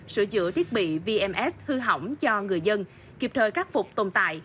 sửa chữa thiết bị vms hư hỏng cho người dân kịp thời khắc phục tồn tại